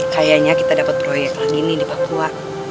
kayaknya kita dapat proyek yang ini di papua